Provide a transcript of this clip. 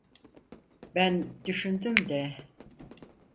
Ben düşündüm de…